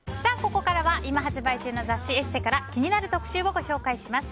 ここからは今発売中の雑誌「ＥＳＳＥ」から気になる特集をご紹介します。